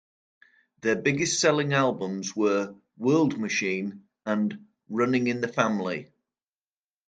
Their biggest selling albums were "World Machine" and "Running in the Family".